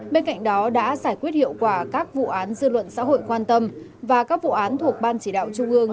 bên cạnh đó đã giải quyết hiệu quả các vụ án dư luận xã hội quan tâm và các vụ án thuộc ban chỉ đạo trung ương